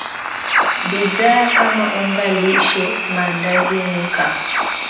Bidhaa kama unga lishe maandazi NK